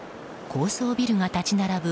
高層ビルが立ち並ぶ